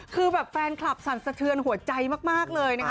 คือแบบแฟนคลับสั่นสะเทือนหัวใจมากเลยนะคะ